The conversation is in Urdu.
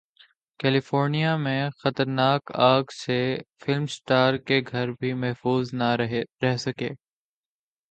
کیلیفورنیا میں خطرناک اگ سے فلم اسٹارز کے گھر بھی محفوظ نہ رہ سکے